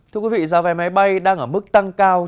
thưa quý vị giáo về máy bay đang ở mức tăng cao